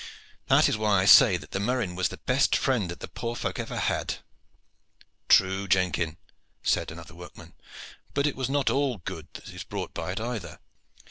That is why I say that the murrain was the best friend that the borel folk ever had." "True, Jenkin," said another workman; "but it is not all good that is brought by it either.